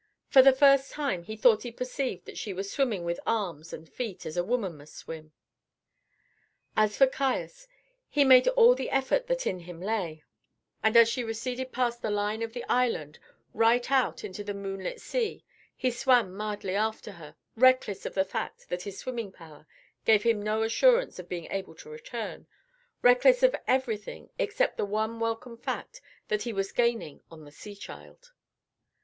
For the first time he thought he perceived that she was swimming with arms and feet as a woman must swim. As for Caius, he made all the effort that in him lay, and as she receded past the line of the island right out into the moonlit sea, he swam madly after, reckless of the fact that his swimming power gave him no assurance of being able to return, reckless of everything except the one welcome fact that he was gaining on the sea child.